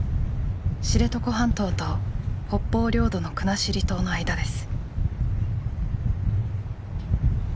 知床半島と北方領土の国後島の間です。